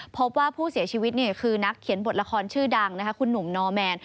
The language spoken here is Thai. พบว่าผู้เสียชีวิตคือนักเขียนบทละครชื่อดังคุณหนุ่มนอร์แมน